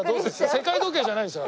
世界時計じゃないでしょ。